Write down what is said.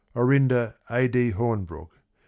Orinda A. D. Hornbrooke.